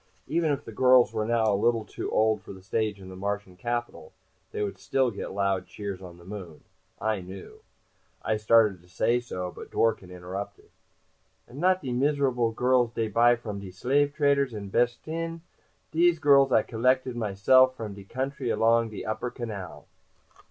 Even if the girls were now a little too old for the stage in the Martian capital, they would still get loud cheers on the Moon. I knew. I started to say so, but Dworken interrupted. "And not de miserable girls dey buy from de slave traders in Behastin. Dese girls I collected myself, from de country along de Upper Canal."